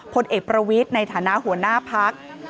พลเอกประวิทย์ในฐานะหัวหน้าพัก